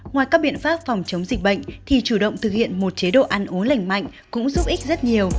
ngoài các biện pháp phòng chống dịch bệnh thì chủ động thực hiện một chế độ ăn uống lành mạnh cũng giúp ích rất nhiều